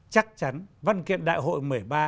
chắc chắn văn kiện đại hội một mươi ba